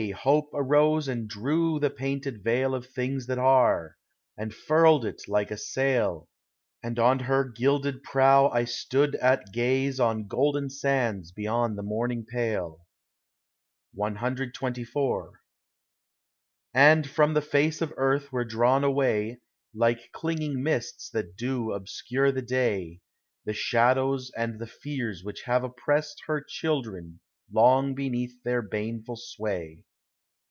Hope arose and drew the painted veil Of things that are, and furled it like a sail, And on her gilded prow I stood at gaze On golden sands beyond the morning pale. CXXIV And from the face of Earth were drawn away, Like clinging mists that do obscure the day, The shadows and the fears which have oppressed Her children long beneath their baneful sway.